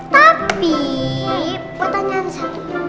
tapi pertanyaan satu